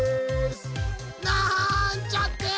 なんちゃって！